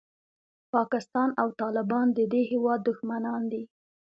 پاکستان او طالبان د دې هېواد دښمنان دي.